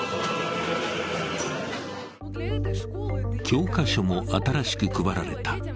教科書も新しく配られた。